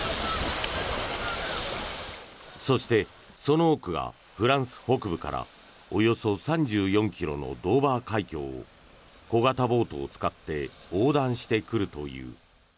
そしてその多くがフランス北部からおよそ３４ｋｍのドーバー海峡を小型ボートを使って横断してくるという。